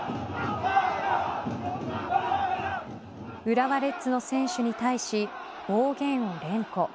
浦和レッズの選手に対し暴言を連呼。